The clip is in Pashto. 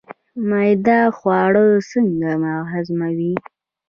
معده خواړه څنګه هضموي